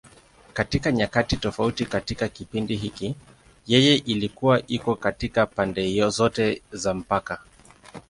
Katika nyakati tofauti katika kipindi hiki, yeye ilikuwa iko katika pande zote za mpaka.